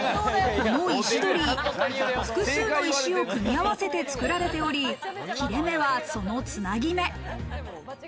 この石鳥居、複数の石を組み合わせて作られており、切り目はそのつなぎ目。